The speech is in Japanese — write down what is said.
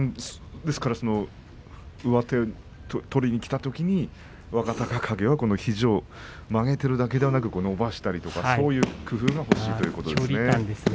ですから上手を取りにきたときに若隆景は肘を曲げているだけではなく伸ばしたりとか、そういう工夫が欲しいということですね。